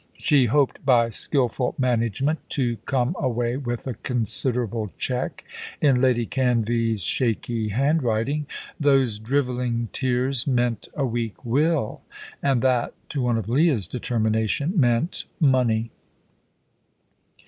She hoped by skilful management to come away with a considerable cheque in Lady Canvey's shaky handwriting. Those drivelling tears meant a weak will, and that, to one of Leah's determination, meant money.